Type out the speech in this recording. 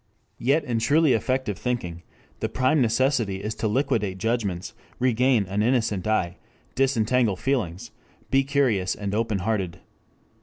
Yet in truly effective thinking the prime necessity is to liquidate judgments, regain an innocent eye, disentangle feelings, be curious and open hearted.